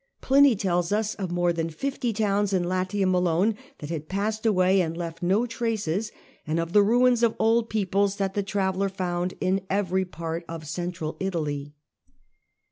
Pliny tells us of more than fifty towns in Latium alone that had passed away and left no traces, and of the ruins of old peoples that the traveller found in every part of Central Italy.